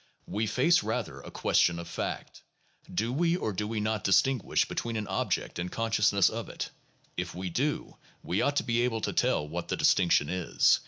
We face, rather, a question of fact. Do we or do we not distinguish between an object and consciousness of it? If we do, we ought to be able to tell what the distinction is.